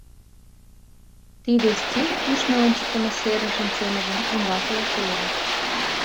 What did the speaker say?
Тиде стих кӱшнӧ ончыктымо серышын темыжым умбакыла шуен: